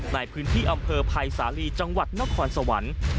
ในพื้นที่อำเภอภัยสาลีจังหวัดนครสวรรค์